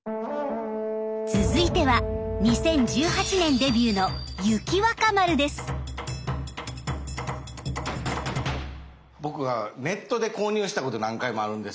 続いては２０１８年デビューの僕はネットで購入したこと何回もあるんです。